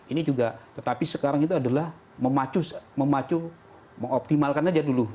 ini juga tetapi sekarang itu adalah memacu mengoptimalkan aja dulu